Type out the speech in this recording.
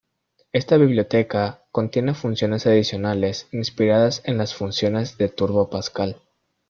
Esta biblioteca contiene funciones adicionales inspiradas en las funciones de Turbo Pascal.